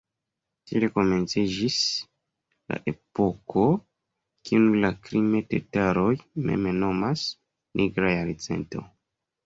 Tiel komenciĝis la epoko, kiun la krime-tataroj mem nomas "Nigra jarcento".